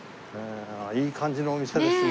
いい感じのお店ですね。